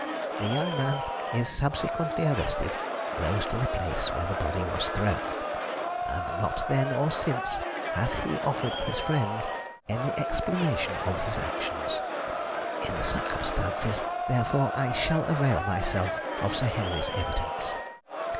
The young man is subsequently arrested close to the place where the body was thrown, and not then, or since, has he offered his friends any explanation of his actions. In the circumstances, therefore, I shall avail myself of Sir Henry's evidence.